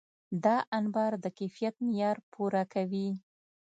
دا انبار د کیفیت معیار پوره کوي.